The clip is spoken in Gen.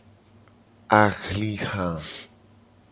Ahliha.